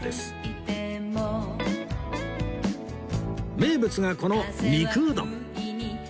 名物がこの肉うどん